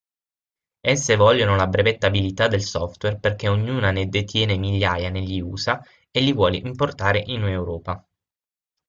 Esse vogliono la brevettabilità del software perché ognuna ne detiene migliaia negli USA e li vuole importare in Europa.